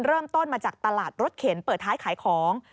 เริ่มต้นมาจากตลาดรถเข็นเปิดท้ายขายของ